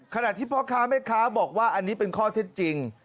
ขณะที่พ่อค้าแม่ค้าบอกว่าอันนี้เป็นข้อเท็จจริง